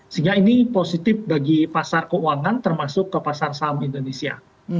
sehingga ini positif bagi pasar keuangan termasuk ke pasar saham indonesia